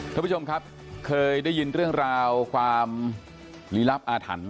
ท่านผู้ชมครับเคยได้ยินเรื่องราวความลี้ลับอาถรรพ์